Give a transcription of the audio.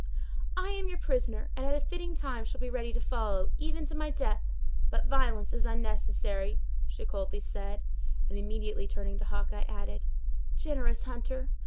"I am your prisoner, and, at a fitting time shall be ready to follow, even to my death. But violence is unnecessary," she coldly said; and immediately turning to Hawkeye, added: "Generous hunter!